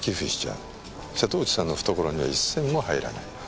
瀬戸内さんの懐には一銭も入らない。